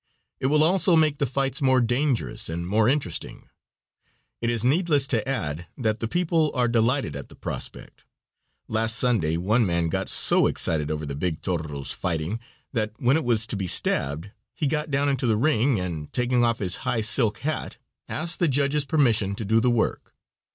It will also make the fights more dangerous and more interesting. It is needless to add that the people are delighted at the prospect. Last Sunday one man got so excited over the big toro's fighting that when it was to be stabbed he got down into the ring and, taking off his high silk hat, asked the judge's permission to do the work.